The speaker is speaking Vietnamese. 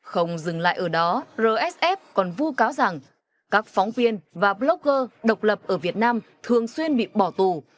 không dừng lại ở đó rsf còn vu cáo rằng các phóng viên và blogger độc lập ở việt nam thường xuyên bị bỏ tù